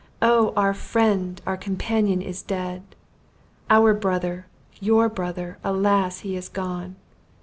Oh! our friend, our companion is dead! Our brother, your brother, alas! he is gone!